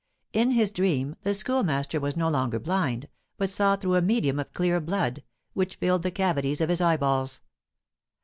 In his dream the Schoolmaster was no longer blind, but saw through a medium of clear blood, which filled the cavities of his eyeballs.